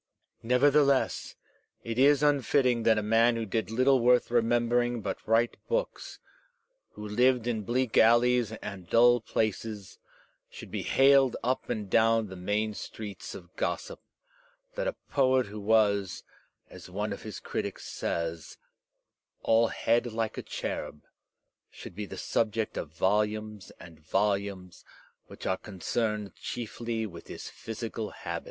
Nevertheless, it is unfitting that a man who did little worth remembering but write books, who lived in bleak alleys and dull places, should be haled up and down the main streets of gossip; that a poet who was, as one of his critics says, all head like a cherub, should be the subject of volumes and volumes which are concerned chiefly with his phjfeical habits.